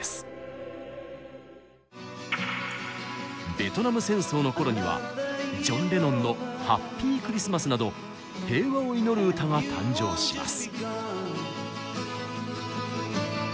ベトナム戦争の頃にはジョン・レノンの「ＨａｐｐｙＸｍａｓ」など平和を祈る歌が誕生します。